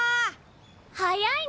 早いね！